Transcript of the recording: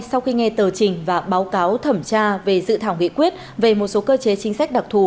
sau khi nghe tờ trình và báo cáo thẩm tra về dự thảo nghị quyết về một số cơ chế chính sách đặc thù